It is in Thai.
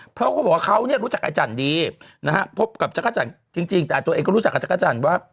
เพราะว่าเขาเนี่ยรู้จักรจันทร์ดีพบกับจักรจันทร์จริงแต่ตัวเองก็รู้จักรจันทร์ว่า